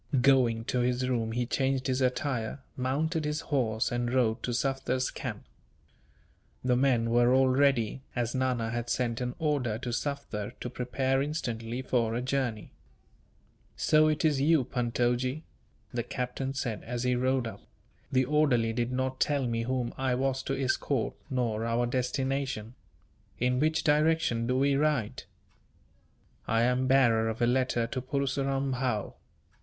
Going to his room he changed his attire, mounted his horse, and rode to Sufder's camp. The men were all ready, as Nana had sent an order to Sufder to prepare instantly for a journey. "So it is you, Puntojee!" the captain said, as he rode up; "the orderly did not tell me whom I was to escort, nor our destination. In which direction do we ride?" "I am bearer of a letter to Purseram Bhow."